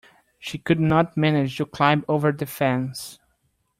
She could not manage to climb over the fence.